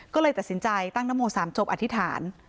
ก็เลยตัดสินใจตั้งนโม๓จบอธิษฐาน